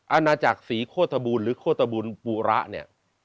อาณาจักรศรีโฆษบูรณหรือโฆษบูลปูระเนี่ย